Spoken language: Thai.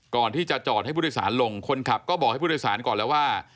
ก่อนที่จะจอดให้ผู้โดยสารลงคนขับก็บอกให้ผู้โดยสารก่อนแล้วว่า